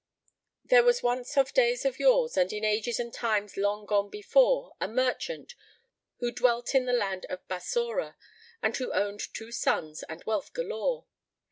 [FN#5] There was once of days of yore and in ages and times long gone before, a merchant, who dwelt in the land of Bassorah and who owned two sons and wealth galore.